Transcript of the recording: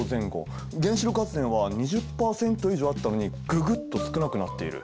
原子力発電は２０％以上あったのにググッと少なくなっている。